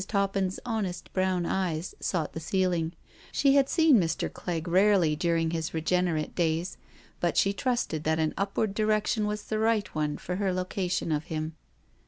Toppin's honest brown eyes sought the ceiling. She had seen Mr. Clegg rarely during his regenerate days, but she trusted that an upward direction was the right one for her location of him.